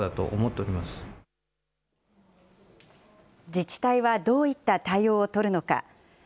自治体はどういった対応を取るのか。